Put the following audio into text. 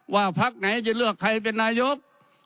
พักไหนจะเลือกใครเป็นนายก